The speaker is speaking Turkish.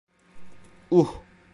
Uh...